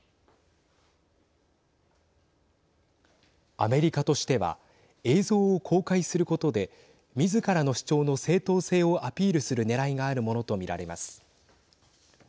アメリカとしては映像を公開することでみずからの主張の正当性をアピールするねらいがあるものと見られます。